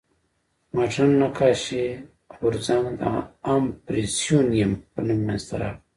مډرن نقاشي غورځنګ د امپرسیونیېم په نوم منځ ته راغی.